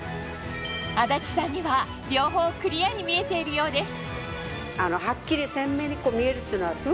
安達さんには両方クリアに見えているようです